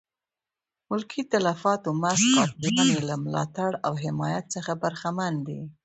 ملکي تلفاتو مست قاتلان یې له ملاتړ او حمایت څخه برخمن دي.